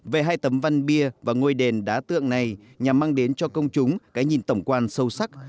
về hai tấm văn bia và ngôi đền đá tượng này nhằm mang đến cho công chúng cái nhìn tổng quan sâu sắc